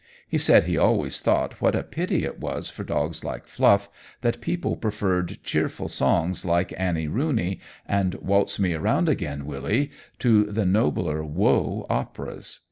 He said he always thought what a pity it was for dogs like Fluff that people preferred cheerful songs like "Annie Rooney" and "Waltz me around again, Willie" to the nobler woe operas.